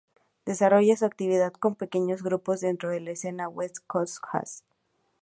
Desarrolla su actividad con pequeños grupos, dentro de la escena West Coast jazz.